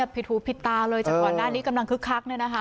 ผิดหูผิดตาเลยจากก่อนหน้านี้กำลังคึกคัก